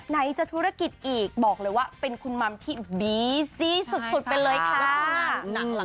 ไหนจะธุรกิจอีกบอกเลยว่าเป็นคุณมัมที่บีซีสุดไปเลยค่ะ